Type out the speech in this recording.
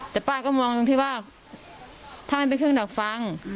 แต่ป้าก็มองตรงที่ว่าถ้ามันเป็นเครื่องดักฟัง